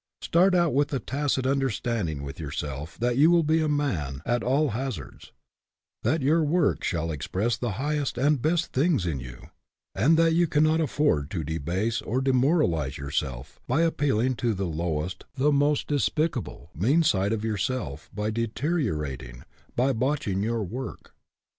Start out with the tacit understanding with yourself that you will be a man at all haz ards ; that your work shall express the highest and the best things in you, and that you can not afford to debase or demoralize yourself, by appealing to the lowest, the most despicable, mean side of yourself by deteriorating, by botching your work.